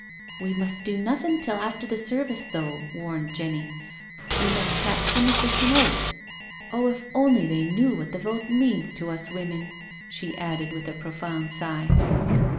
• We must do nothing till after the service though,'* warned Jenny —we must catch them as they come out. Oh, if only they knew what the vote means to us women I she added, with a profound sigh.